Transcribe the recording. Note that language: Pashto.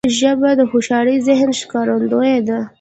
ژبه د هوښیار ذهن ښکارندوی ده